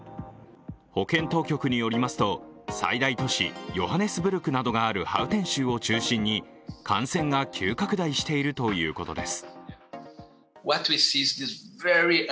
保健当局によりますと最大都市ヨハネスブルクなどがあるハウテン州を中心に感染が急拡大しているということです。